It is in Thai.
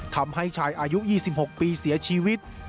ทำให้ชายอายุ๒๖ปีเสียชีวิต